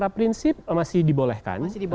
prinsip masih dibolehkan